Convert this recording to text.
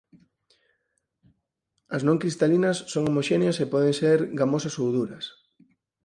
As non cristalinas son homoxéneas e poden ser gomosas ou duras.